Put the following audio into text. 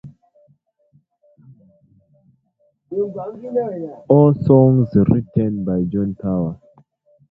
All songs written by John Power.